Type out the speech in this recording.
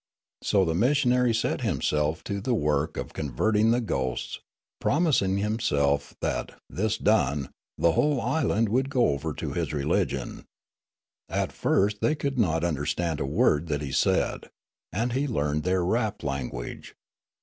So the missionary set himself to the work of convert ing the ghosts, promising himself that, this done, the whole island would go over to his religion. At first they could not understand a word that he said ; and he learned their rap language.